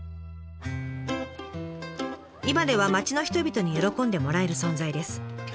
今では町の人々に喜んでもらえる存在です。